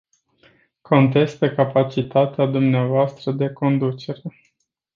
Contez pe capacitatea dumneavoastră de conducere.